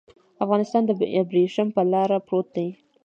افغانستان د ابريښم پر لار پروت دی.